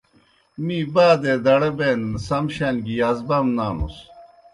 می بادے دڑہ بینَن سم شان گیْ یازبام نانُس۔